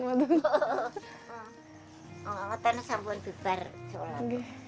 kalau di atas saya bisa berbuka